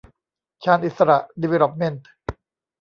ชาญอิสสระ ดีเวล็อปเมนท์